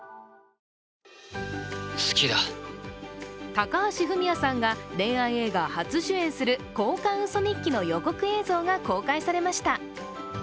高橋文哉さんが恋愛映画初主演する「交換ウソ日記」の予告映像が公開されました。